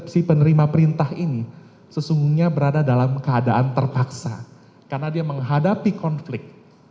si penerima perintah ini sesungguhnya berada dalam keadaan terpaksa karena dia menghadapi konflik